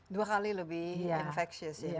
dua kali lebih infectious ya